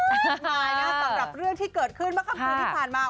สำหรับเรื่องที่เกิดขึ้นเมื่อคำถามที่ผ่านมา